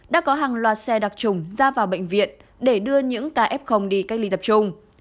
đã có hàng loạt xe đặc trùng ra vào bệnh viện để đưa những ca f đi cách ly tập trung